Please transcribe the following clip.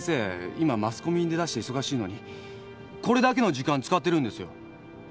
今マスコミに出だして忙しいのにこれだけの時間使ってるんですよ。